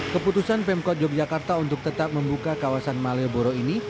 keputusan pemkot yogyakarta untuk tetap membuka kawasan malioboro ini